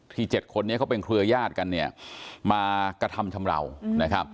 ที่๗คนนี้เขาเป็นเครือญาติกันมากระทำชำราว